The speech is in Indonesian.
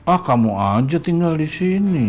ah kamu aja tinggal disini